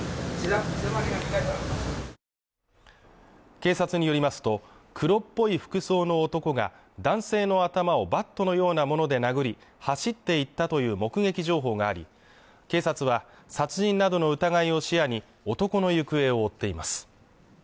警察によりますと、黒っぽい服装の男が男性の頭をバットのようなもので殴り、走っていったという目撃情報があり、警察は、殺人などの疑いを視野に、男の行方を追っています。